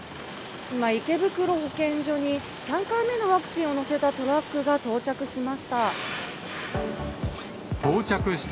今、池袋保健所に３回目のワクチンを載せたトラックが到着しました。